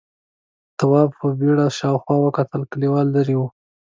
تواب په بيړه شاوخوا وکتل، کليوال ليرې و: